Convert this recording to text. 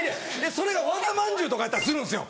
それが和田まんじゅうとかやったりするんですよ。